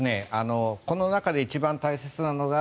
この中で一番大切なのが